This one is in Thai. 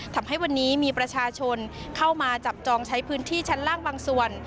ทำให้วันนี้มีประชาชนเข้ามาจับจองใช้พื้นที่ชั้นล่างบางส่วน